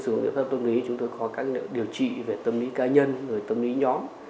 sử dụng các liệu pháp tâm lý chúng tôi có các liệu điều trị về tâm lý ca nhân tâm lý nhóm